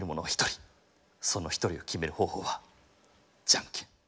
その一人を決める方法はじゃんけん」。